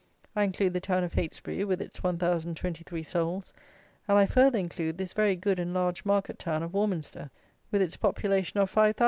I include the town of Heytesbury, with its 1,023 souls; and I further include this very good and large market town of Warminster, with its population of 5,000!